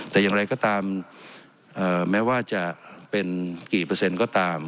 แต่อย่างไรก็ตามแม้ว่าจะเป็นกี่เปอร์เซ็นต์ก็ตาม